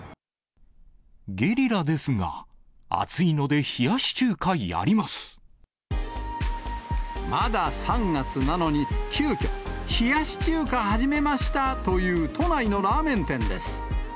ゲリラですが、まだ３月なのに、急きょ、冷やし中華始めましたという都内のラーメン店です。